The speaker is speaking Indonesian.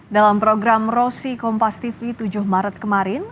dalam program rosi kompas tv tujuh maret kemarin